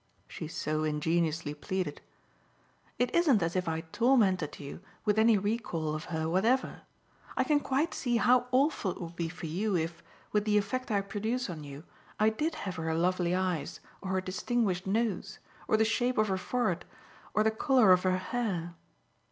she so ingeniously pleaded. "It isn't as if I tormented you with any recall of her whatever. I can quite see how awful it would be for you if, with the effect I produce on you, I did have her lovely eyes or her distinguished nose or the shape of her forehead or the colour of her hair.